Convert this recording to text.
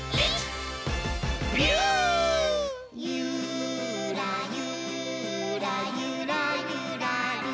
「ゆーらゆーらゆらゆらりー」